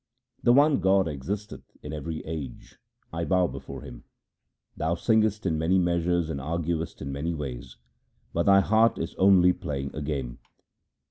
The one God existeth in every age, I bow before Him. Thou singest in many measures and arguest in many ways, but thy heart is only playing a game.